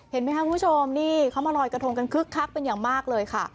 เห็นไหมครับคุณผู้ชมนี่เขามาลอยกระทงกันคึกคักเป็นอย่างมากเลยค่ะ